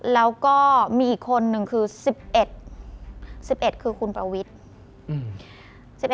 แล้วก็มีอีกคนนึงคือ๑๑๑๑คือคุณประวิทธิ์